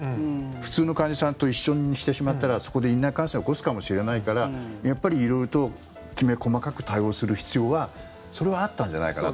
普通の患者さんと一緒にしてしまったらそこで院内感染を起こすかもしれないからやっぱり色々ときめ細かく対応する必要はそれはあったんじゃないかなと。